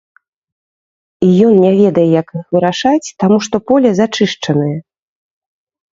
І ён не ведае, як іх вырашаць, таму што поле зачышчанае.